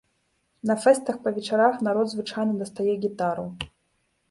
На фэстах па вечарах народ звычайна дастае гітару.